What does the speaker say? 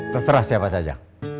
terserah siapa saja